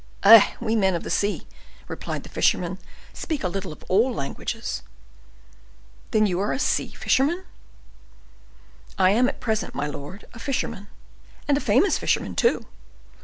"Eh! we men of the sea," replied the fisherman, "speak a little of all languages." "Then you are a sea fisherman?" "I am at present, my lord—a fisherman, and a famous fisherman, too.